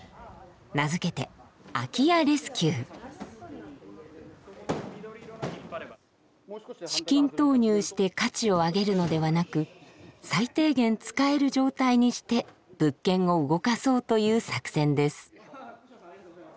名付けて資金投入して価値を上げるのではなく最低限使える状態にして物件を動かそうという作戦です。